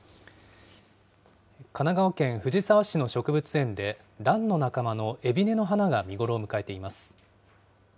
神奈川県藤沢市の植物園で、ランの仲間のエビネの花が見頃を迎えています。